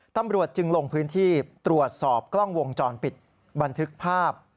ตำรวจจึงลงพื้นที่ตรวจสอบกล้องวงจรปิดบันทึกภาพ